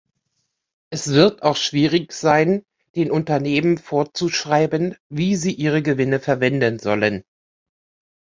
Es wird auch schwierig sein, den Unternehmen vorzuschreiben, wie sie ihre Gewinne verwenden sollen.